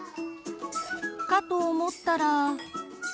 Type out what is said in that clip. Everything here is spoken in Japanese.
かと思ったら。